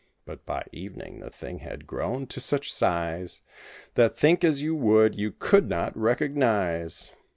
But by evening the thing had grown to such size That, think as you would, you could not recognize.